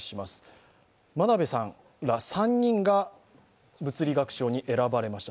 眞鍋さんら３人が物理学賞に選ばれました。